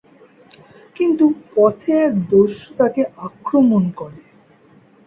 কিন্তু পথে এক দস্যু তাকে আক্রমণ করে।